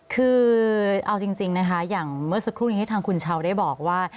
คือเอาจริงนะคะอย่างเมื่อสักครู่นี้ทางคุณเช้าได้บอกว่า